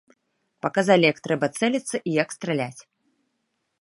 Паказалі, як трэба цэліцца і як страляць.